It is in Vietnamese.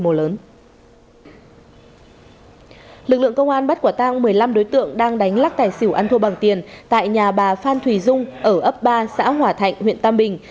trong bắt quả tang một mươi năm đối tượng đang đánh lắc tài xỉu ăn thua bằng tiền tại nhà bà phan thùy dung ở ấp ba xã hòa thạnh huyện tam bình